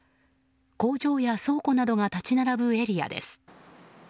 工場や倉庫などが立ち並ぶエリアです。